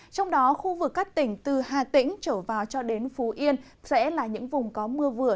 trong đó khu vực các tỉnh từ hà tĩnh trở vào cho đến phú yên sẽ là những vùng có mưa vừa